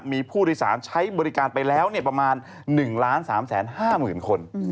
มีผู้โดยสารใช้บริการไปแล้วประมาณ๑๓๕๐๐๐คน